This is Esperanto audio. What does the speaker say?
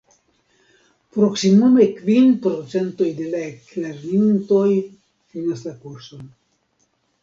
Proksimume kvin procentoj el la eklernintoj finas la kurson.